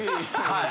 はい。